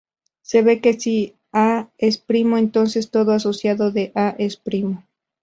Se ve que si "a" es primo, entonces todo asociado de "a" es primo.